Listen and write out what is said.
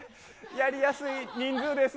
やりやすい人数です。